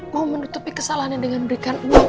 mau menutupi kesalahannya dengan berikan uang